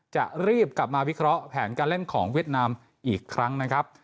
จะรีบกลับมาวิเคราะห์แผนการเล่นของเวียดนามอีกครั้งนะครับ